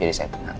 jadi saya tenang